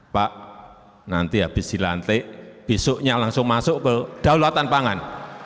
pak nanti habis dilantik besoknya langsung masuk ke daulatan pangan